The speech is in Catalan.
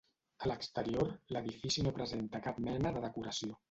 A l'exterior l'edifici no presenta cap mena de decoració.